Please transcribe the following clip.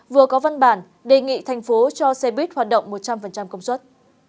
vừa có văn bản đề nghị thành phố cho xe buýt hoạt động một trăm linh công suất